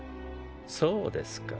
そうですか。